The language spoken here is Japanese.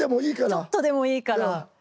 ちょっとでもいいから。